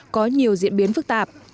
có nhiều diễn biến phức tạp